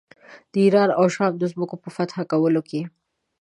د ایران او شام د ځمکو په فتح کولو کې.